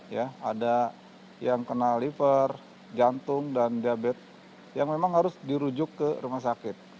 ya ada yang kena liver jantung dan diabetes yang memang harus dirujuk ke rumah sakit